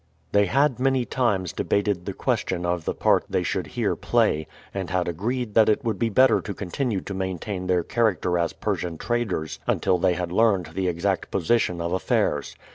They had many times debated the question of the part they should here play, and had agreed that it would be better to continue to maintain their character as Persian traders until they had learned the exact position of affairs.